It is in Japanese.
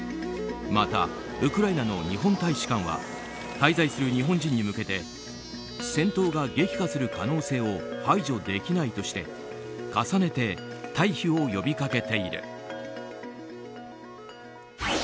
またウクライナの日本大使館は滞在する日本人に向けて戦闘が激化する可能性を排除できないとして重ねて退避を呼び掛けている。